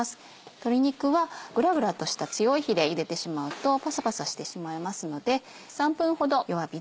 鶏肉はグラグラとした強い火でゆでてしまうとパサパサしてしまいますので。